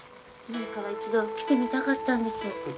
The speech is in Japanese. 前から一度来てみたかったんです。